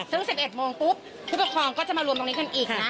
ซึ่ง๑๑โมงปุ๊บผู้ปกครองก็จะมารวมตรงนี้กันอีกนะ